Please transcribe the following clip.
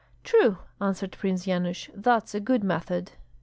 '" "True," answered Prince Yanush; "that's a good method."